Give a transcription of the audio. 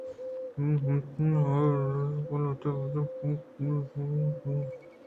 بلئے ہرکس ہمے وداریگ اِنت کہ قلات ءِ واجہ ءِچم کدی نیک بہ بیت کاگد ءِ تہا یک بہیارے است اَت